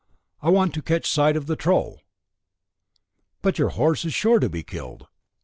I want to catch sight of the troll." "But your horse is sure to be killed."